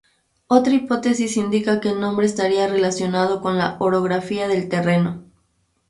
Otra hipótesis indica que el nombre estaría relacionado con la orografía del terreno.